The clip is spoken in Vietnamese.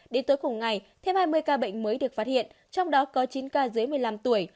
đến tối cùng ngày thêm hai mươi ca bệnh mới được phát hiện trong đó có chín ca dưới một mươi năm tuổi